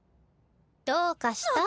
どうかした？